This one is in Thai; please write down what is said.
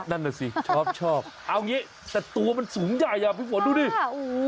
นั่นแหละสิชอบเอาอย่างนี้แต่ตัวมันสูงใหญ่พี่ฝนดูนี่อ๋อโอ้โฮ